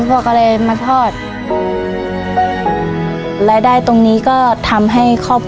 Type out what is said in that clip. เพราะกใกล้มาทอด